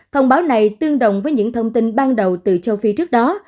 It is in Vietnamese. thông báo này tương đồng với những thông tin ban đầu từ châu phi trước đó